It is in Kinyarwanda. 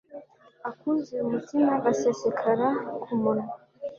Akuzuye umutima gasesekara ku munwa